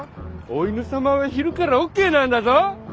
お犬様は昼からオッケーなんだぞ！